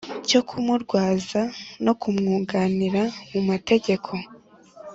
cyokumurwaza no kumwunganira mumategeko